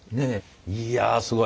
いやすごい。